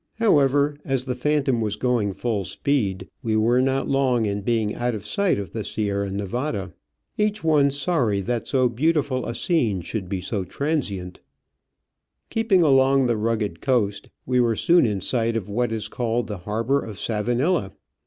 Digitized by VjOOQIC OF AN Orchid Hunter, ^y However, as the Phantom was going full speed, we were not long in being out of sight of the Sierra Nevada, each one sorry that so beautiful a scene should be so transient. Keeping along the rugged coast, we were soon in sight of what is called the harbour of Savanilla.